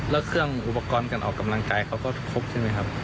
แล้วเครื่องอุปกรณ์การออกกำลังกายเขาก็ครบใช่ไหมครับ